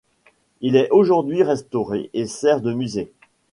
Il est aujourd’hui restauré et sert de musée.